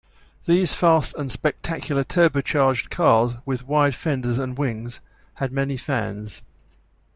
These fast and spectacular turbocharged cars with wide fenders and wings had many fans.